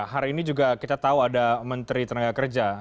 hari ini juga kita tahu ada menteri tenaga kerja